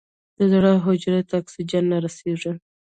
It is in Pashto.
د زړه حجرو ته اکسیجن نه رسېږي.